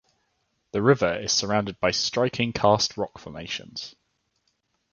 The river is surrounded by striking karst rock formations.